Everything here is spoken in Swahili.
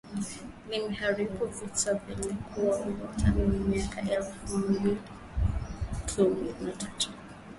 limeharibiwa na vita vya wenyewe kwa wenyewe tangu mwaka elfu mbili kumi na tatu